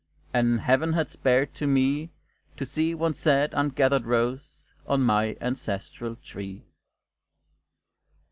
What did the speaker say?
And Heaven had spared to me To see one sad, ungathered rose On my ancestral tree.